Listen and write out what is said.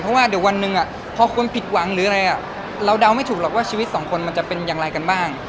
เพราะว่าเดี๋ยววันหนึ่งพอคนผิดหวังหรืออะไรเราเดาไม่ถูกหรอกว่าชีวิตสองคนมันจะเป็นอย่างไรกันบ้าง